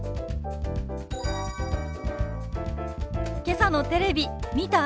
けさのテレビ見た？